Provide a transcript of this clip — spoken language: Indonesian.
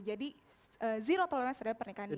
jadi zero tolerance terhadap pernikahan dini